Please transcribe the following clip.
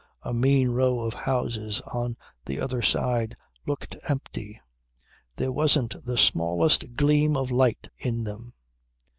A mean row of houses on the other side looked empty: there wasn't the smallest gleam of light in them.